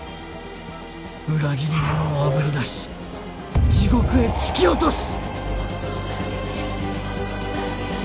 裏切り者をあぶり出し地獄へ突き落とす！